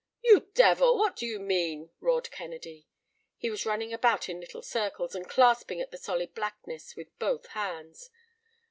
"You devil, what do you mean?" roared Kennedy. He was running about in little circles and clasping at the solid blackness with both hands.